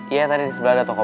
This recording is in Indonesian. iya tadi di sebelah ada tokoh